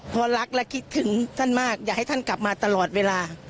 เพราะรักและคิดถึงท่านมากอยากให้ท่านกลับมาตลอดเวลา